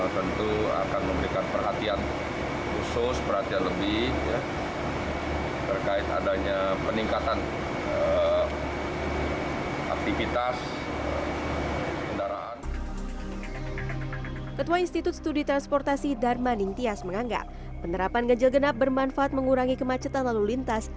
ketua institut studi transportasi darman intias menganggap penerapan ganjil genap bermanfaat mengurangi kemacetan lalu lintas